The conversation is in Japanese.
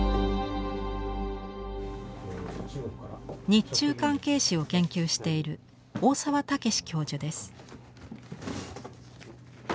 日中関係史を研究している大澤武司教授です。